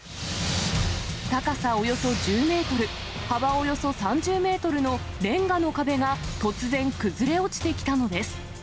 高さおよそ１０メートル、幅およそ３０メートルのレンガの壁が突然崩れ落ちてきたのです。